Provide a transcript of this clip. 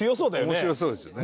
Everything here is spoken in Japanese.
面白そうですよね。